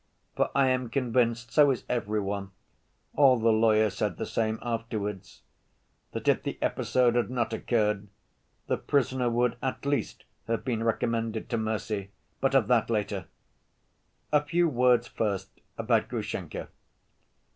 For I am convinced, so is every one—all the lawyers said the same afterwards—that if the episode had not occurred, the prisoner would at least have been recommended to mercy. But of that later. A few words first about Grushenka.